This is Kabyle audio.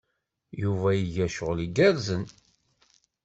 Yuba iga cɣel igerrzen.